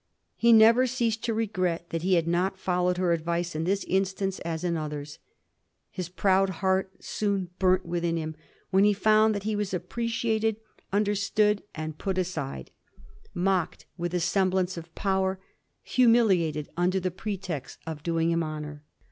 He never ceased to regret that he had not followed her advice in this instance as in others. His proud heart soon burnt within him when he found that he was appreciated, understood, and put aside ; mocked witk x3 Digiti zed by Google 132 A HISTORY OF THE FOUR GEORGES. ch vt. a semblance of power, humiliated under the pretext of doing him honour.